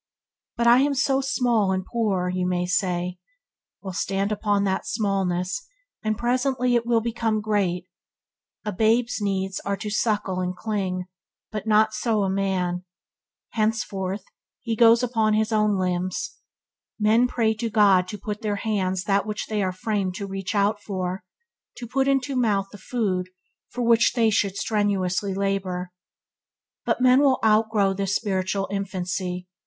"But I am so small and poor", you say: well, stand upon that smallness, and presently it will become great. A babe must needs suckle and cling, but not so man. Henceforth he goes upon his own limbs. Men pray to God to put into their hands that which they are framed to reach out for; to put into their mouth the food for which they should strenuously labour. But men will outgrow this spiritual infancy.